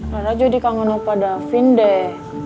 rara jadi kangen opo davin deh